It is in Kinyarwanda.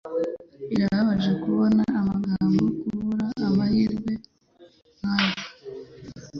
Birababaje kubona agomba kubura amahirwe nkaya.